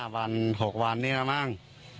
๕วัน๖วันนี่แล้วมั้ง